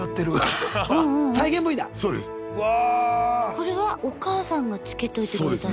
これはお母さんがつけといてくれたの？